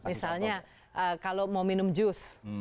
misalnya kalau mau minum jus